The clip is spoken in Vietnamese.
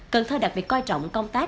cần thơ đặc biệt coi trọng công tác